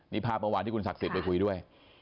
นี่ภาพเมื่อวานที่คุณศักดิ์สิทธิ์ไปคุยด้วย